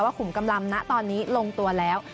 ขุมกำลังนะตอนนี้ลงตัวแล้ว